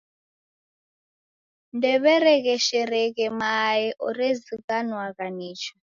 Ndew'eregheshereghe mae orezighanwagha nicha.